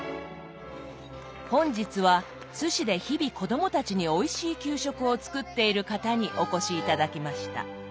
本日は津市で日々子供たちにおいしい給食を作っている方にお越し頂きました。